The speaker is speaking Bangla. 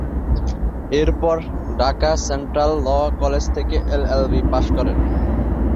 এর পর ঢাকা সেন্ট্রাল ল কলেজ থেকে এলএলবি পাশ করেন।